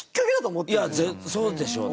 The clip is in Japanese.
いやそうでしょうね。